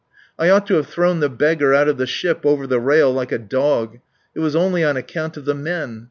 "I ought to have thrown the beggar out of the ship over the rail like a dog. It was only on account of the men.